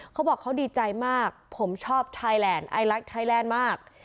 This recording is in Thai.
เขาบอกเขาดีใจมากผมชอบไทยแลนด์ไอลักไทยแลนด์มาก